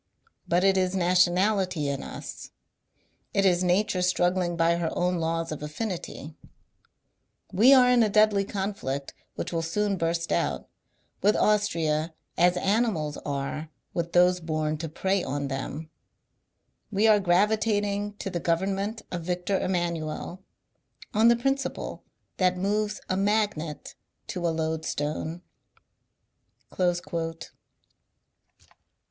But it is nationality in us, it is nature struggling by her own laws of affinity ; we are in a deadly conflict (which will soon burst out) with Austria as animals are with those bom to prey on theoL We are gravitating to the government of Victor Emmanuel, on the principle that moves a magnet to a loadstone."